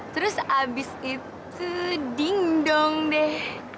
terus abis itu ding dong deh